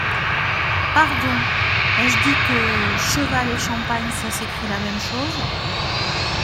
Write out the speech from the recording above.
Pardon ! ai-je dit que… cheval et champagne, ça s’écrit la même chose ?